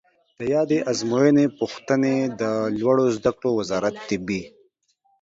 د یادې آزموینې پوښتنې د لوړو زده کړو وزارت طبي